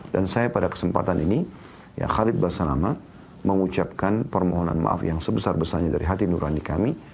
dan saya pada kesempatan ini khalid basalamah mengucapkan permohonan maaf yang sebesar besarnya dari hati nurani kami